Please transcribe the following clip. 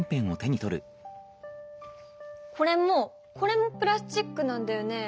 これもこれもプラスチックなんだよね？